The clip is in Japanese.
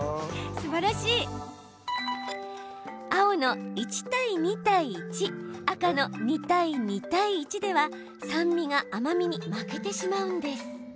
青の１対２対１赤の２対２対１では酸味が甘みに負けてしまいます。